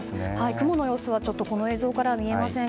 雲の様子は、この映像からは見えません